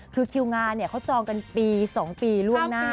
คือคิวงานเขาจองกันปี๒ปีล่วงหน้า